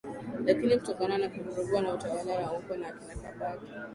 Lakini kutokana na kuvurugwa na tawala za huko za akina Kabaka